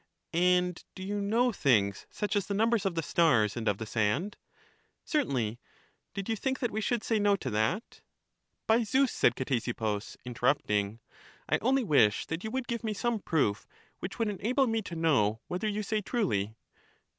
And do you know things such as the numbers of the stars and of the sand? Certainly ; did you think that we should say No to that? By Zeus, said Ctesippus, interrupting, I only wish that you would give me some proof which would en able me to know whether you say truly.